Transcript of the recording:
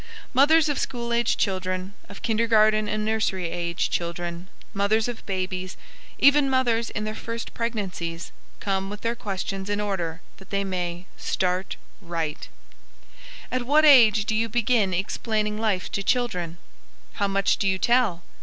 Mothers of school age children, of kindergarten and nursery age children, mothers of babies, even mothers in their first pregnancies, come with their questions in order that they may start right. At what age do you begin explaining life to children? How much do you tell?